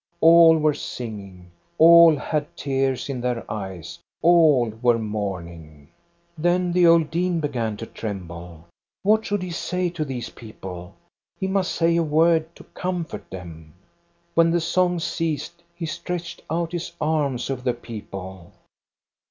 All were singing; all had tears in their eyes, — all were mourning. " Then the old dean began to tremble. What should he say to these people ? He must say a word to comfort them. " When the song ceased, he stretched out his arms over the people.